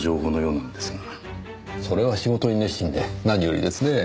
それは仕事に熱心で何よりですねぇ。